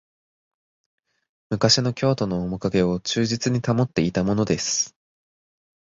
昔の京都のおもかげを忠実に保っていたものです